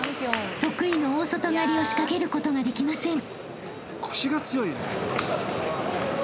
［得意の大外刈を仕掛けることができません］